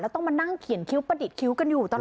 ต้องมานั่งเขียนคิ้วประดิษฐ์คิ้วกันอยู่ตลอด